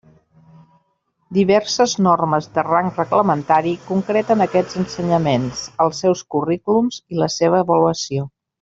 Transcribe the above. Diverses normes de rang reglamentari concreten aquests ensenyaments, els seus currículums i la seva avaluació.